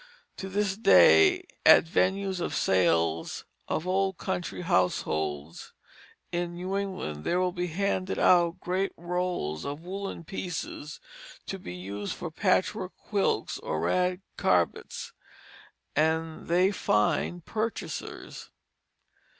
To this day at vendues or sales of old country households in New England, there will be handed out great rolls of woollen pieces to be used for patchwork quilts or rag carpets, and they find purchasers.